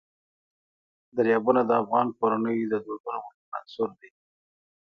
دریابونه د افغان کورنیو د دودونو مهم عنصر دی.